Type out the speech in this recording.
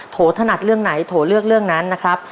โถถนัดเรื่องไหนโถเลือกเรื่องนั้นนะครับ